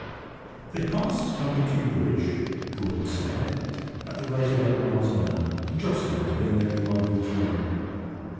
They passed under Kew Bridge, broadside, at the rate of eight miles an hour. Joskins being the only one who was rowing.